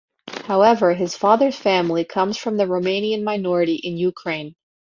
However, his father's family comes from the Romanian minority in Ukraine.